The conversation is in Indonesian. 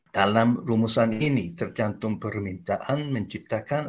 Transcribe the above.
dalam rumusan ini tercantum permintaan menciptakan